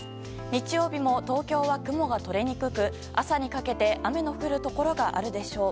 日曜日も東京は雲がとれにくく朝にかけて雨の降るところがあるでしょう。